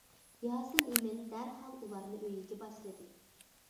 ياسىن ئىمىن دەرھال ئۇلارنى ئۆيىگە باشلىدى.